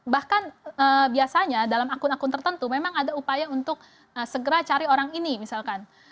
bahkan biasanya dalam akun akun tertentu memang ada upaya untuk segera cari orang ini misalkan